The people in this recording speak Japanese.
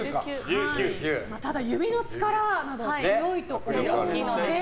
ただ、指の力などが強いと思うので。